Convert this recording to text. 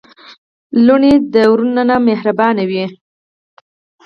لورګانې د وروڼه نه مهربانې وی.